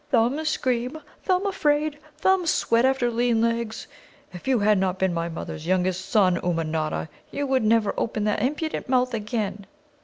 "Thumb scream! Thumb afraid! Thumb sweat after Lean legs! If you had not been my mother's youngest son, Ummanodda, you should never open that impudent mouth again!"